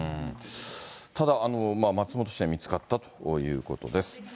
ただ、松本市で見つかったということです。